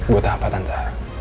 buat apa tante